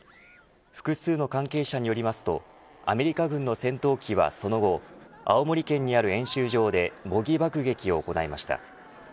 複数の関係者によりますとアメリカ軍の戦闘機は、その後青森県にある演習場で模擬爆撃を行いました。